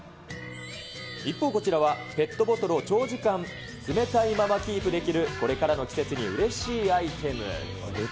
一方、こちらはペットボトルを長時間冷たいままキープできる、これからの季節にうれしいアイテム。